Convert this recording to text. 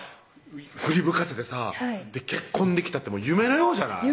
振り向かせてさ結婚できたって夢のようじゃない？